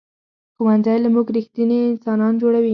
ښوونځی له موږ ریښتیني انسانان جوړوي